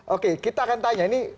oke kita akan tanya ini